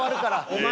お前